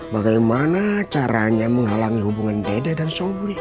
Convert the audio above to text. bagaimana caranya menghalangi hubungan deda dan sobrang